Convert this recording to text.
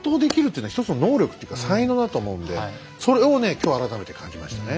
今日改めて感じましたね。